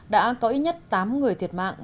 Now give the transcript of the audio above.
đã có ít nhất tám người thiệt mạng